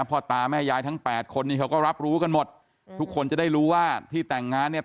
พ่อตาแม่ยายทั้งแปดคนนี้เขาก็รับรู้กันหมดทุกคนจะได้รู้ว่าที่แต่งงานเนี่ย